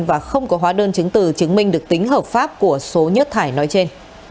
và không có hóa đơn chứng từ chứng minh được tính hợp pháp của số nhất thải nói trên